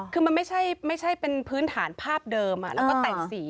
คือมันไม่ใช่เป็นพื้นฐานภาพเดิมแล้วก็แต่งสี